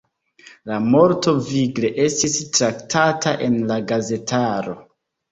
La morto vigle estis traktata en la gazetaro.